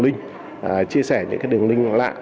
link chia sẻ những cái đường link lạ